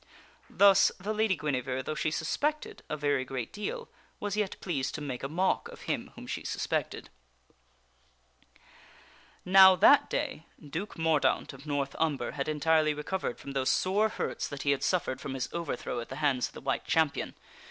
Thus the Lady Guinevere, though she suspected a very great deal, was yet pleased to make a mock of him whom she suspected. DUKE MO RD AUNT CHALLENGES AGAIN n 5 Now that day Duke Mordaunt of North Umber had entirely recovered from those sore hurts that he had suffered from his overthrow at the hands of the White Champion.